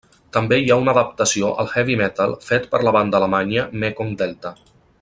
També hi ha una adaptació al heavy metal fet per la banda alemanya Mekong Delta.